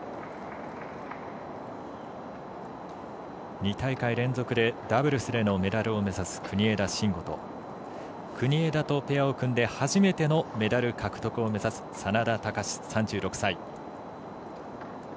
２大会連続でダブルスでのメダルを目指す国枝慎吾と国枝とペアを組んで初めてのメダル獲得を目指す眞田卓、３６歳。